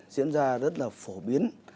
diễn ra rất là phổ biến